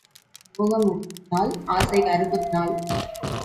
மோகம் முப்பது நாள், ஆசை அறுபது நாள்.